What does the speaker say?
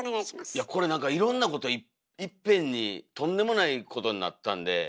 いやこれ何かいろんなこといっぺんにとんでもないことになったんで。